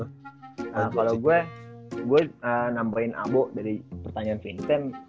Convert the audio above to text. nah kalo gue gue nambahin abo dari pertanyaan fintan